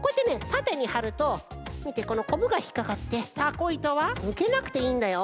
たてにはるとみてこのこぶがひっかかってたこいとはぬけなくていいんだよ